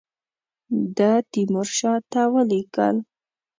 ده تیمورشاه ته ولیکل.